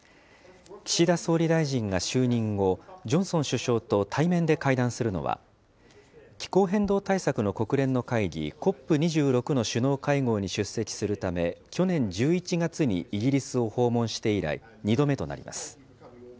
岸田総理大臣が就任後、ジョンソン首相と対面で会談するのは、気候変動対策の国連の会議、ＣＯＰ２６の首脳会合に出席するため、去年１１月にイギリスを訪問して以来２度目となります。